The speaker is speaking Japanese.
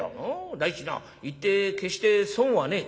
第一な行って決して損はねえ」。